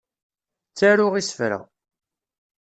Ttaruɣ isefra.